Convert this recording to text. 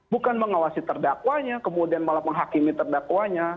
bukan mengawasi terdakwanya kemudian malah menghakimi terdakwanya